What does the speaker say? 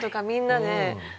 みんなで。